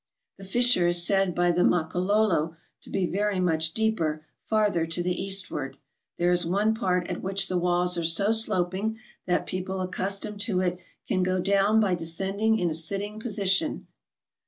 The fissure is said by the Makololo to be very much deeper farther to the eastward ; there is one part at which the walls are so sloping that people accustomed to it can go down by descending in a sitting position.